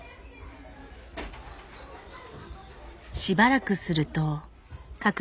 しばらくすると。